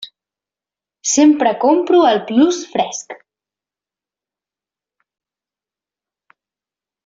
Sempre compro al Plus Fresc.